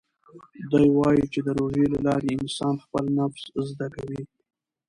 ده وايي چې د روژې له لارې انسان خپل نفس زده کوي.